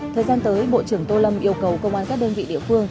thời gian tới bộ trưởng tô lâm yêu cầu công an các đơn vị địa phương